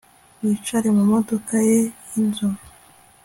Wicare mu modoka ye yinzovu